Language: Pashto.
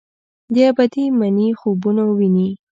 د ابدي مني خوبونه ویني